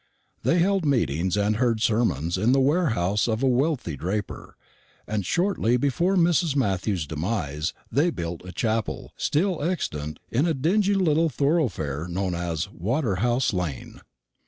They held meetings and heard sermons in the warehouse of a wealthy draper; and shortly before Mrs. Matthew's demise they built a chapel, still extant, in a dingy little thoroughfare known as Waterhouse lane.